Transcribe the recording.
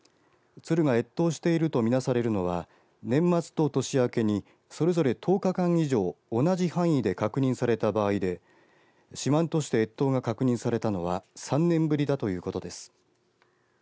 鶴が越冬しているとみなされるのは年末と年明けにそれぞれ１０日間以上同じ範囲で確認された場合で四万十市で越冬が確認されたのは３年ぶりだということです。